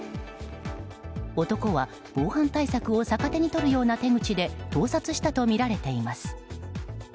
男は防犯対策を逆手に取るような手口で盗撮したとみられています。